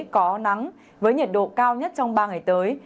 có nắng với nhiệt độ cao nhất trong ba ngày tới